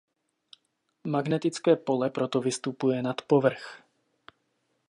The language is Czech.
Magnetické pole proto vystupuje nad povrch.